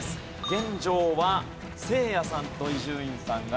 現状はせいやさんと伊集院さんが落第圏内。